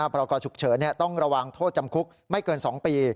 พรกรฉุกเฉินต้องระวังโทษจำคุกไม่เกิน๒ปี